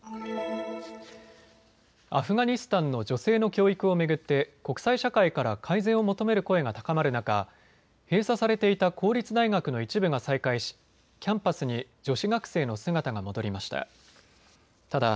アフガニスタンの女性の教育を巡って国際社会から改善を求める声が高まる中、閉鎖されていた公立大学の一部が再開し、キャンパスに女子学生の姿が戻りました。